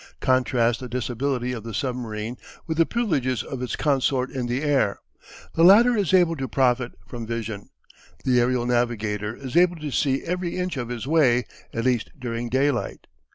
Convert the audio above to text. Contrast the disability of the submarine with the privileges of its consort in the air. The latter is able to profit from vision. The aerial navigator is able to see every inch of his way, at least during daylight.